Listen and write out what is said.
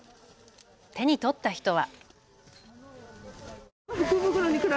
手に取った人は。